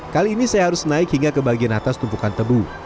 kali ini saya harus naik hingga ke bagian atas tumpukan tebu